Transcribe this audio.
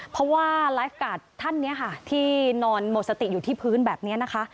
เพราะว่าไลฟ์การ์ดท่านนี้ค่ะที่นอนหมดสติอยู่ที่พื้นแบบนี้นะคะ